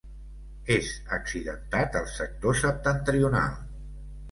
És accidentat el sector septentrional.